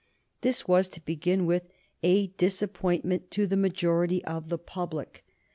This was, to begin with, a disappointment to the majority of the public.